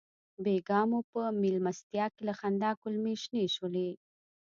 بېګا مو په مېلمستیا کې له خندا کولمې شنې شولې.